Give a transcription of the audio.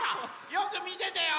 よくみててよ！